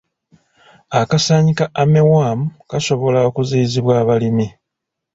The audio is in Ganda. Akasaanyi ka armyworm kasobola okuziyizibwa abalimi.